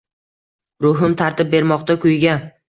Ruhim tartib bermoqda kuyga.